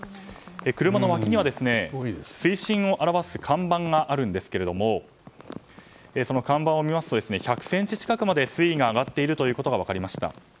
車の脇には水深を表す看板があるんですがその看板を見ますと１００ｃｍ近くまで水位が上がっていることが分かりました。